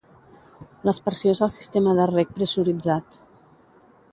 L'aspersió és el sistema de reg pressuritzat.